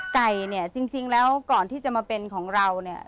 ไก่เนี่ยจริงแล้วก่อนที่จะมาเป็นของเราเนี่ย